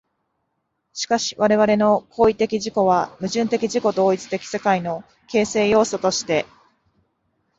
しかし我々の行為的自己は、矛盾的自己同一的世界の形成要素として、